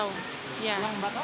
belum nggak tahu